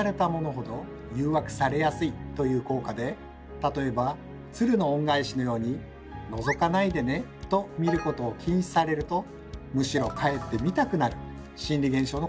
例えば「鶴の恩返し」のように「のぞかないでね」と見ることを禁止されるとむしろかえって見たくなる心理現象のことを言います。